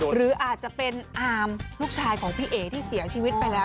หรืออาจจะเป็นอามลูกชายของพี่เอ๋ที่เสียชีวิตไปแล้ว